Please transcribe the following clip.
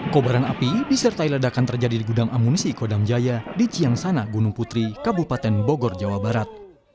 kobaran api disertai ledakan terjadi di gudang amunisi kodam jaya di ciangsana gunung putri kabupaten bogor jawa barat